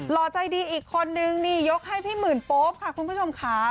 ห่อใจดีอีกคนนึงนี่ยกให้พี่หมื่นโป๊ปค่ะคุณผู้ชมค่ะ